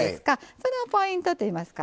そのポイントといいますか。